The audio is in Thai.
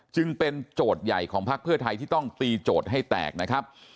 จึงเป็นโจทย์ใหญ่ของพักเพื่อไทยที่ต้องตีโจทย์ให้แตกนะครับ